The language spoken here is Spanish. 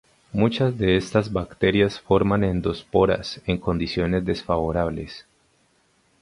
Muchas de estas bacterias forman endosporas en condiciones desfavorables.